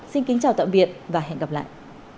xin chào và hẹn gặp lại